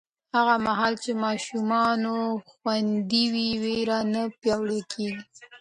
هغه مهال چې ماشومان خوندي وي، ویره نه پیاوړې کېږي.